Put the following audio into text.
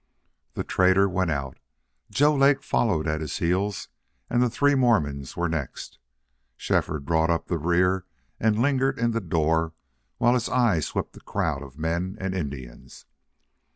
The trader went out; Joe Lake followed at his heels and the three Mormons were next; Shefford brought up the rear and lingered in the door while his eye swept the crowd of men and Indians.